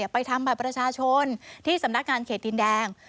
ไปทำบัตรประชาชนที่สำนักงานเขตดินแดง